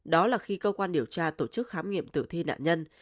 đó là khi cơ quan điều tra tổ chức khám nghiệm tử thi nạn nhân